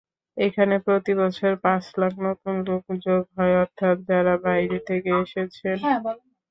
এখানে প্রতিবছর পাঁচ লাখ নতুন লোক যোগ হয়, অর্থাৎ যাঁরা বাইরে থেকে এসেছেন।